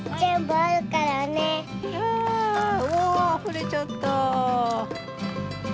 あおおあふれちゃった！